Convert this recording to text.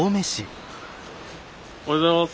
おはようございます。